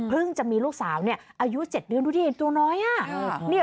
เพิ่งจะมีลูกสาวอายุ๗นิ้วดูนี่ตัวน้อย